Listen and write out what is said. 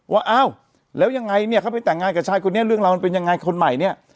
ว่าอ้าวแล้วยังไงเนี่ยเขาไปแต่งงานกับชายคนนี้เรื่องราวมันเป็นยังไงคนใหม่เนี่ย